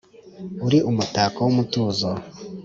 Uri umutako w’umutuzo,